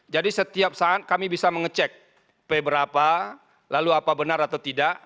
jadi setiap saat kami bisa mengecek p berapa lalu apa benar atau tidak